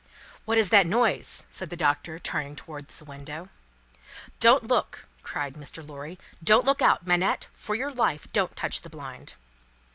"What is that noise?" said the Doctor, turning towards the window. "Don't look!" cried Mr. Lorry. "Don't look out! Manette, for your life, don't touch the blind!"